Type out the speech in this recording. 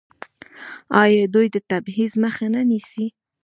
آیا دوی د تبعیض مخه نه نیسي؟